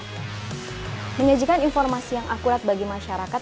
menyajikan informasi yang akurat bagi masyarakat